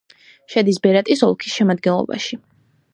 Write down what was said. შედის ბერატის ოლქის შემადგენლობაში.